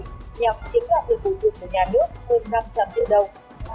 nhằm chiếm gặp được bùi thụt của nhà nước hơn năm trăm linh triệu đồng